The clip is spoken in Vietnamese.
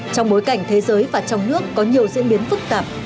trong bối cảnh thế giới và trong nước có nhiều diễn biến phức tạp